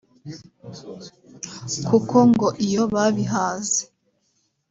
kuko ngo iyo babihaze